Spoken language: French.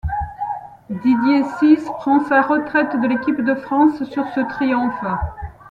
Didier Six prend sa retraite de l'équipe de France sur ce triomphe.